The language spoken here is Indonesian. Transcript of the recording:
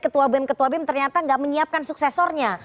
ketua bem ketua bem ternyata nggak menyiapkan suksesornya